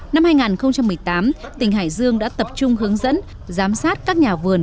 năm hai nghìn một mươi tám tỉnh hải dương đã tập trung hướng dẫn giám sát các nhà vườn